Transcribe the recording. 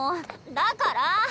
だから。